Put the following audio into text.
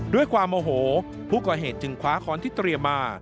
ด้วยความโอโหผู้ก่อเหตุจึงคว้าค้อนที่เตรียมมา